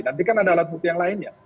nanti kan ada alat bukti yang lain ya